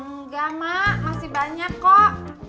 enggak mak masih banyak kok